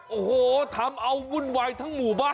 โอ้โหทำเอาวุ่นวายทั้งหมู่บ้าน